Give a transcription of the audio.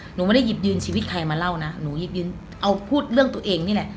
หนูไม่ได้หยิบยืนชีวิตใครมาเล่านะหนูหยิบยืนเอาพูดเรื่องตัวเองนี่แหละ